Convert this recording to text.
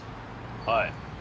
はい。